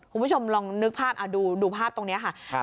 คุณผู้ชมลองนึกภาพดูภาพตรงนี้ค่ะ